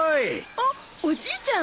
あっおじいちゃん。